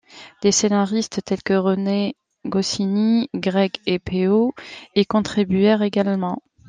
Des scénaristes tels que René Goscinny, Greg et Peyo y contribuèrent également.